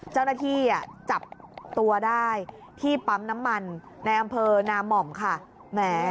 เจ้าหน้าที่จับตัวได้ที่ปั๊มน้ำมันในอำเภอนาม่อมค่ะแหม